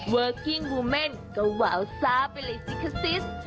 เวิร์กกิ้งวูเมนก็ว่าเอาซ้าไปเลยสิคะซิส